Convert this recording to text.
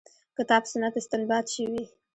کتاب سنت استنباط شوې.